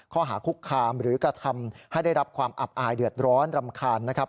ข้อหาคุกคามหรือกระทำให้ได้รับความอับอายเดือดร้อนรำคาญนะครับ